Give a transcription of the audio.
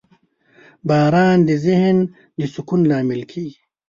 • باران د ذهن د سکون لامل کېږي.